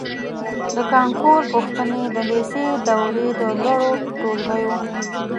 د کانکور پوښتنې د لېسې دورې د لوړو ټولګیو